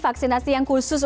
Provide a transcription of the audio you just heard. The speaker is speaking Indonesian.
vaksinasi yang khusus